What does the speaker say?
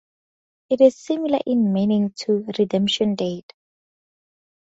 It is similar in meaning to 'redemption date'.